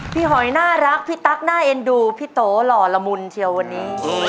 หอยน่ารักพี่ตั๊กน่าเอ็นดูพี่โตหล่อละมุนเชียววันนี้